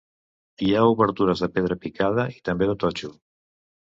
Hi ha obertures de pedra picada i també de totxo.